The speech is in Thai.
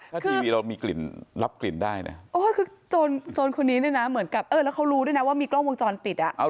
ถ้าทีวีเรามีกลิ่นรับกลิ่นได้นะโอ้ยคือโจรคนนี้เนี่ยนะเหมือนกับเออแล้วเขารู้ด้วยนะว่ามีกล้องวงจรปิดอ่ะ